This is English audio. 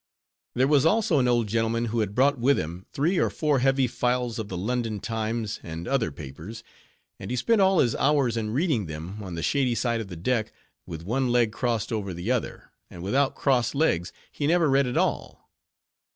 There was also an old gentleman, who had brought with him three or four heavy files of the London Times, and other papers; and he spent all his hours in reading them, on the shady side of the deck, with one leg crossed over the other; and without crossed legs, he never read at all.